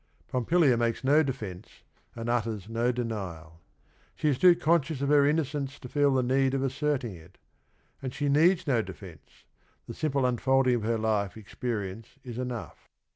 Po mpilia makes no defence, and utters no denial She is too conscious of he r inn ocence to feel t he need of asserting it. And she needs no defence; the simple unfolding of he r life ex perience is enough.